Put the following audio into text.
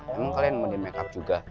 emang kalian mau di make up juga